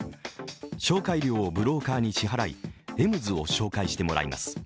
紹介料をブローカーに支払いエムズを紹介してもらいます。